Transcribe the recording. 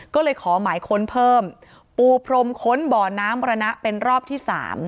ก็เลยขอหมายค้นเพิ่มปูพรมค้นบ่อน้ำมรณะเป็นรอบที่๓